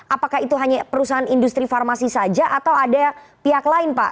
apakah itu hanya perusahaan industri farmasi saja atau ada pihak lain pak